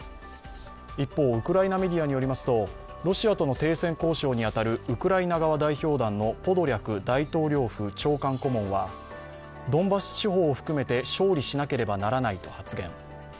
一方、ウクライナメディアによりますとロシアとの停戦交渉に当たるウクライナ側代表団のポドリャク大統領府長官顧問はドンバス地方を含めて勝利しなければならないと発言。